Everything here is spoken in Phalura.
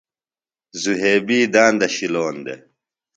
ذُھیبی داندہ شِلون دےۡ۔